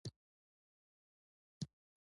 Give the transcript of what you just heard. په یخو اوبو لمبیدل بدن ته ګټه رسوي.